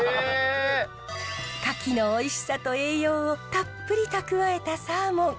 カキのおいしさと栄養をたっぷり蓄えたサーモン。